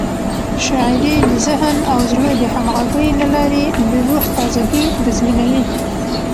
شاعري د ذهن او زړه د همغږۍ له لارې د روح تازه ګي تضمینوي.